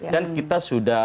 dan kita sudah